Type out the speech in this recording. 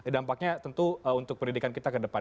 dampaknya tentu untuk pendidikan kita ke depan